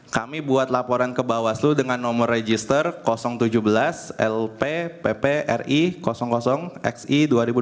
kami buat laporan ke bawaslu dengan nomor register tujuh belas lp ppri xi dua ribu dua puluh